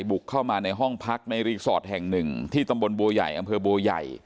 บุกเข้ามาในห้องพักในรีสอร์ทแห่งหนึ่งที่ตำบลบัวใหญ่อำเภอบัวใหญ่